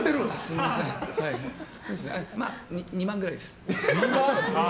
２万くらいです。